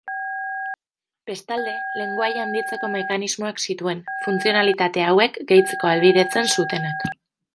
Bestalde, lengoaia handitzeko mekanismoak zituen, funtzionalitate hauek gehitzeko ahalbidetzen zutenak.